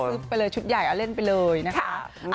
ไปเลยชุดใหญ่เอาเล่นไปเลยนะคะ